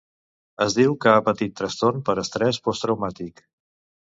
Es diu que ha patit trastorn per estrès posttraumàtic.